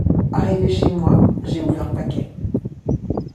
Arrivé chez moi, j’ai ouvert le paquet.